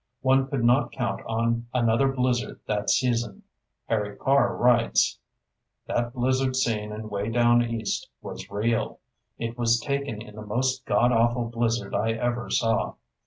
One could not count on another blizzard that season. Harry Carr writes: That blizzard scene in "Way Down East" was real. It was taken in the most God awful blizzard I ever saw.